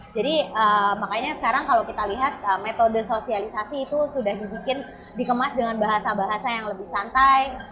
jadi makanya sekarang kalau kita lihat metode sosialisasi itu sudah dibikin dikemas dengan bahasa bahasa yang lebih santai